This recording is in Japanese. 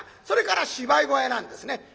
それから芝居小屋なんですね。